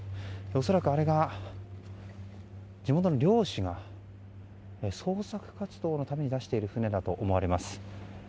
恐らくあれが地元の漁師の捜索活動のために出している出している船だと思われます。